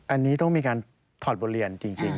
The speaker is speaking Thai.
อันนี้ต้องมีการถอดบทเรียนจริง